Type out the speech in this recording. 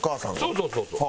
そうそうそうそう。